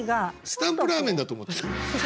「スタンプラーメン」だと思っちゃう。